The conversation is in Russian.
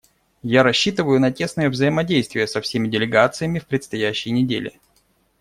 Я рассчитываю на тесное взаимодействие со всеми делегациями в предстоящие недели.